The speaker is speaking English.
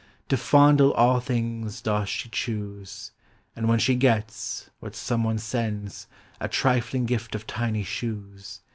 To fondle all things doth she choose, And when she gets, what some one sends, A trilling gift of tiny shoes.